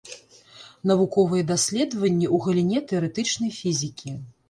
Навуковыя даследаванні ў галіне тэарэтычнай фізікі.